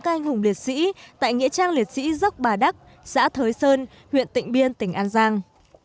các anh hùng liệt sĩ tại nghĩa trang liệt sĩ dốc bà đắc xã thới sơn huyện tịnh biên tỉnh an giang